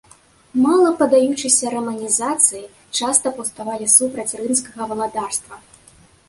Мала паддаючыся раманізацыі, часта паўставалі супраць рымскага валадарства.